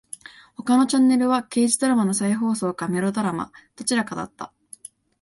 他のチャンネルは刑事ドラマの再放送かメロドラマ。どちらかだった。